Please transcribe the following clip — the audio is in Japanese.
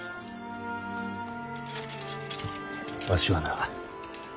わしはな